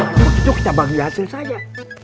kalau begitu kita bagi hasil saja